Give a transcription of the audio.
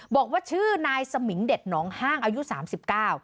บอกว่าชื่อนายสมิงเด็ดหนองห้างอายุสามสิบเก้า